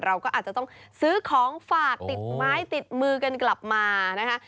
เราก็อาจจะต้องซื้อของฝากติดไม้ติดมือกันกลับมานะคะ